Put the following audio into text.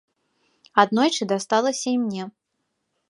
Аднойчы дасталася і мне.